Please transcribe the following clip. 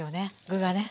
具がね。